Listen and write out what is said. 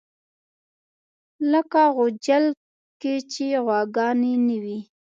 لکه غوجل کې چې غواګانې نه وي.